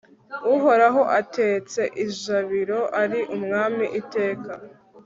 uhoraho atetse ijabiro ari umwami iteka